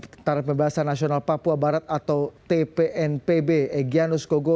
ketara pembahasan nasional papua barat atau tpnpb egyanus kogo